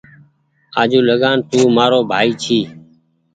آجوٚنٚ لگآن تونٚ مآرو ڀآئي جي